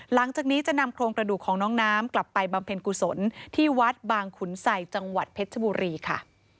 หลังจากนี้จะนำโครงกระดูกของน้องน้ำกลับไปบำเพ็ญกุศลที่วัดบางขุนใสจังหวัดเพชรชบุรีค่ะ